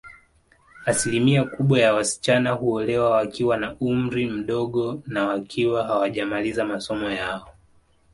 Asilimia kubwa ya wasichana huolewa wakiwa na umri mdogo na wakiwa hawajamaliza masomo yao